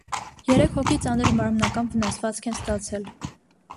Երեք հոգի ծանր մարմնական վնասվածք են ստացել։